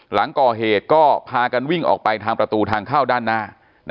หลังก่อเหตุก็พากันวิ่งออกไปทางประตูทางเข้าด้านหน้า